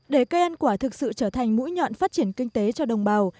để cây ăn quả thực sự trở thành mũi nhọn phát triển kinh tế cho đồng bào